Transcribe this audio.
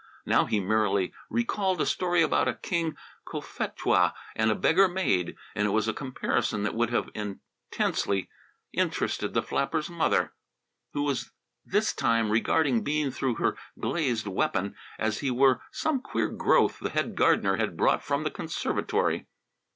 Now he merely recalled a story about a King Cophetua and a beggar maid. It was a comparison that would have intensely interested the flapper's mother, who was this time regarding Bean through her glazed weapon as if he were some queer growth the head gardener had brought from the conservatory.